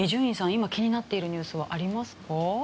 今気になっているニュースはありますか？